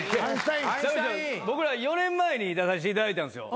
僕ら４年前に出させていただいたんですよ。